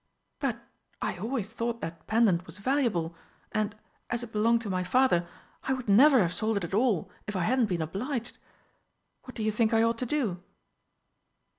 But I always thought that pendant was valuable, and, as it belonged to my father, I would never have sold it at all if I hadn't been obliged. What do you think I ought to do?"